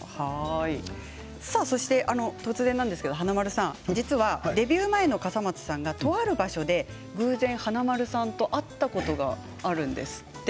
突然なんですけど華丸さん実はデビュー前の笠松さんがとある場所で偶然、華丸さんと会ったことがあるんですって。